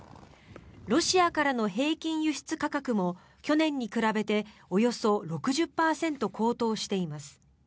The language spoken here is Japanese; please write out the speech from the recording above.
ロシアからの平均輸出価格も去年に比べておよそ６０％高騰しています。